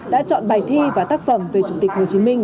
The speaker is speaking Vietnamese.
đã chọn bài thi và tác phẩm về chủ tịch hồ chí minh